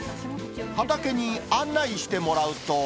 畑に案内してもらうと。